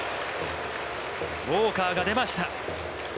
ウォーカーが出ました。